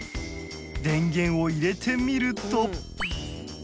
電源を入れてみると